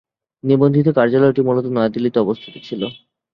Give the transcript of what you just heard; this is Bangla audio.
নিবন্ধিত কার্যালয়টি মূলত নয়াদিল্লিতে অবস্থিত ছিল।